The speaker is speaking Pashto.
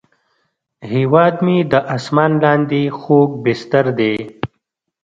هیواد مې د اسمان لاندې خوږ بستر دی